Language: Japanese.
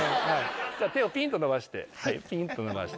手をピンと伸ばしてピンと伸ばして。